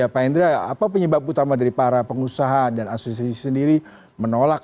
pak hendra apa penyebab utama dari para pengusaha dan asosiasi sendiri menolak